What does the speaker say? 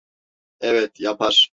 Evet, yapar.